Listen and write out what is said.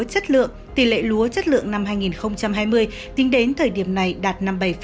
tỷ lệ chất lượng tỷ lệ lúa chất lượng năm hai nghìn hai mươi tính đến thời điểm này đạt năm mươi bảy năm